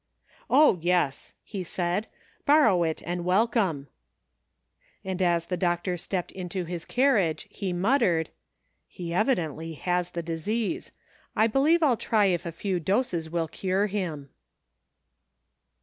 " O, yes !" he said, "borrow it and welct)me." And as the doctor stepped into his carriage he muttered :" He evidently has the disease ; I believe I'll try if a few doses will cure him."